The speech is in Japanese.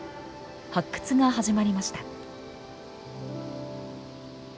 発掘が始まりました。